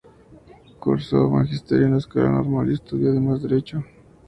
Cursó magisterio en la Escuela Normal y estudió además Derecho.